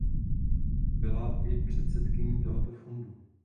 Byla i předsedkyní tohoto fondu.